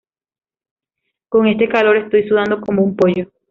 Con este calor estoy sudando como un pollo